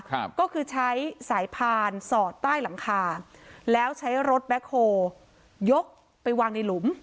ครับก็คือใช้สายพานสอดใต้หลังคาแล้วใช้รถแบ็คโฮยกไปวางในหลุม